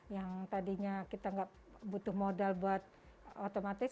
yang tadinya kita nggak butuh modal buat otomatis